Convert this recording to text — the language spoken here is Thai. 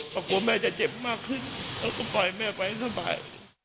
กลัวว่าแม่จะเจ็บมากขึ้นก็ปล่อยแม่ไปสบาย